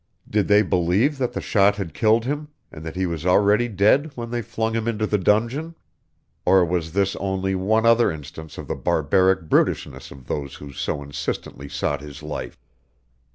Did they believe that the shot had killed him, that he was already dead when they flung him into the dungeon? Or was this only one other instance of the barbaric brutishness of those who so insistently sought his life?